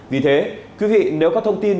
vì thế quý vị nếu có thông tin